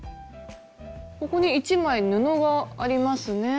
ここに一枚布がありますね。